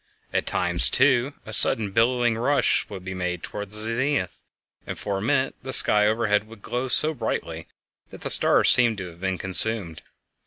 At times, too, a sudden billowing rush would be made toward the zenith, and for a minute the sky overhead would glow so brightly that the stars seemed to have been consumed.